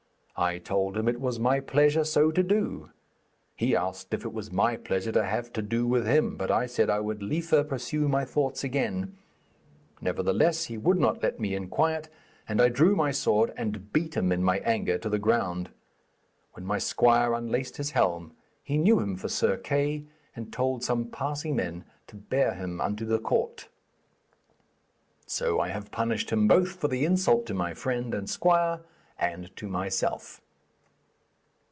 I told him it was my pleasure so to do. He asked if it was my pleasure to have to do with him, but I said I would liefer pursue my thoughts again. Nevertheless, he would not let me in quiet, and I drew my sword and beat him in my anger to the ground. When my squire unlaced his helm he knew him for Sir Kay, and told some passing men to bear him unto the court. 'So have I punished him both for the insult to my friend and squire and to myself.'